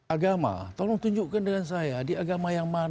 agama tolong tunjukkan dengan saya di agama yang mana